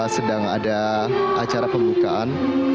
sedang ada acara pembukaan